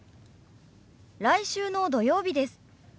来週の土曜日です。